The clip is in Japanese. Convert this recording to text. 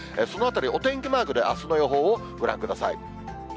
そのあたり、お天気マークであすの予報をご覧ください。